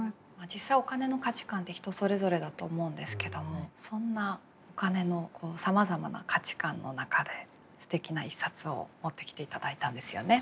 実際お金の価値観って人それぞれだと思うんですけどもそんなお金のさまざまな価値観の中ですてきな一冊を持ってきていただいたんですよね。